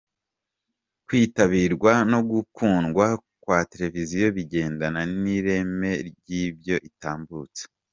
Kwitabirwa no gukundwa kwa televiziyo bigendana n’ireme ry’ibyo itambutsa.